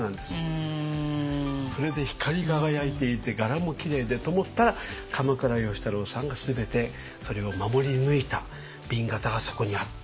それで光り輝いていて柄もきれいでと思ったら鎌倉芳太郎さんが全てそれを守り抜いた紅型がそこにあった。